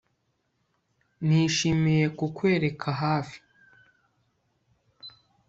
Nishimiye kukwereka hafi